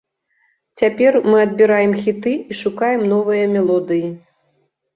Цяпер мы адбіраем хіты і шукаем новыя мелодыі.